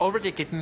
何？